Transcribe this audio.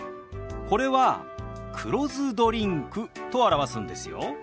これは「黒酢ドリンク」と表すんですよ。